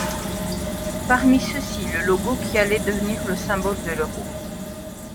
Parmi ceux-ci le logo qui allait devenir le symbole de l'euro.